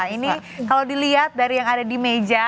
ini kalau dilihat dari yang ada di meja